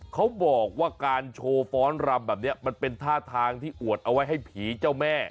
เขาบอกว่าการโชว์ฟ้อนรำแบบนี้มันเป็นท่าทางที่อวดเอาไว้ให้ผีเจ้าแม่